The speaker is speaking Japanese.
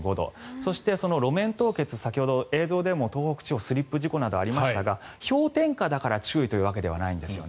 そして、路面凍結先ほど映像でも、東北地方スリップ事故などがありましたが氷点下だから注意というわけではないんですね。